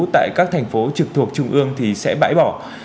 tại các thành phố trực thuộc trung ương thì sẽ bãi bỏ